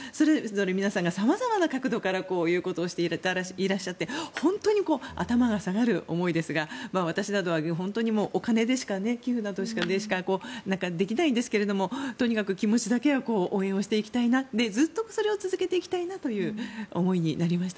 皆さんが様々な角度から、こういうことをしていらっしゃって本当に頭が下がる思いですが私などは本当にお金でしか寄付などでしかできないんですがとにかく気持ちだけは応援をしていきたいなずっとそれを続けていきたいなという思いになりました。